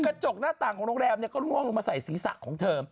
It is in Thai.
กระจกหน้าต่างของโรงแรมเนี่ยก็ล่วงลงมาใส่ศีรษะของเธอ